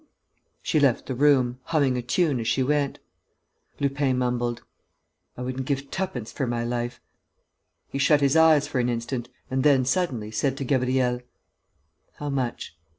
She left the room, humming a tune as she went. Lupin mumbled: "I wouldn't give twopence for my life." He shut his eyes for an instant and then, suddenly, said to Gabriel: "How much?"